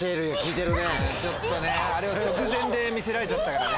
あれを直前で見せられちゃったからね。